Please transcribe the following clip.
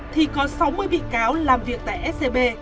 thì có sáu mươi bị cáo làm việc tại scb